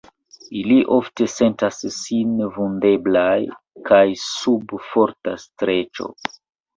Ili ofte sentas sin vundeblaj kaj sub forta streĉo.